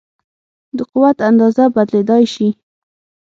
د قوت اندازه بدلېدای شي.